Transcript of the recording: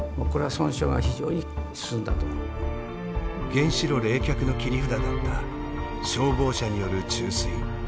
原子炉冷却の切り札だった消防車による注水。